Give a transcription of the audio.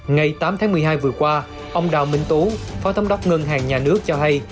ngày tám tháng một mươi hai vừa qua ông đào minh tú phó thống đốc ngân hàng nhà nước cho hay